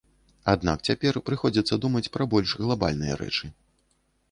Аднак цяпер прыходзіцца думаць пра больш глабальныя рэчы.